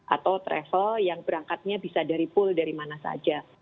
atau travel yang berangkatnya bisa dari pool dari mana saja